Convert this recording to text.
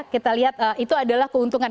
kita lihat itu adalah keuntungan